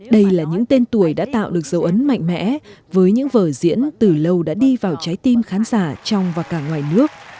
đây là những tên tuổi đã tạo được dấu ấn mạnh mẽ với những vở diễn từ lâu đã đi vào trái tim khán giả trong và cả ngoài nước